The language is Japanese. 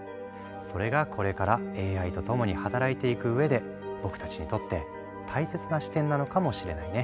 それがこれからＡＩと共に働いていくうえで僕たちにとって大切な視点なのかもしれないね。